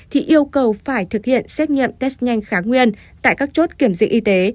thì yêu cầu phải thực hiện xét nghiệm test nhanh kháng nguyên tại các chốt kiểm dịch y tế